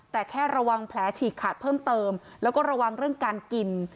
แต่แค่ระวังแผลฉีกขาดเพิ่มเติมแล้วก็ระวังเรื่องการกิน